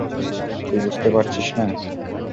তুই বুঝতে পারছিস না?